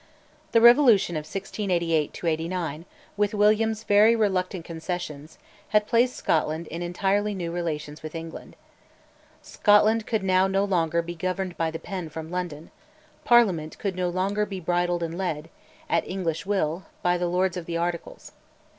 The Revolution of 1688 89, with William's very reluctant concessions, had placed Scotland in entirely new relations with England. Scotland could now no longer be "governed by the pen" from London; Parliament could no longer be bridled and led, at English will, by the Lords of the Articles.